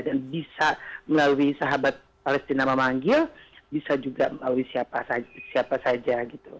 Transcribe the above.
dan bisa melalui sahabat palestina memanggil bisa juga melalui siapa saja